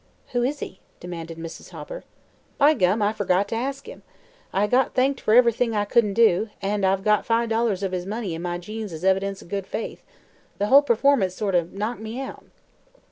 "Who is he?" demanded Mrs. Hopper. "By gum, I fergot to ask him. I got thanked fer ev'rything I did an' ev'rything I couldn't do, an' I've got five dollars o' his money in my jeans as a evidence o' good faith. The whole performance sort o' knocked me out."